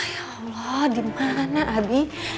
ya allah dimana abi